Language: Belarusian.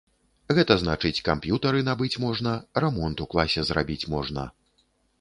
Гэта значыць камп'ютары набыць можна, рамонт у класе зрабіць можна.